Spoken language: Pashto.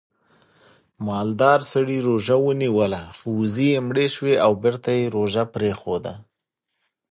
مالدار سړي روژه ونیوله خو وزې یې مړې شوې او بېرته یې روژه پرېښوده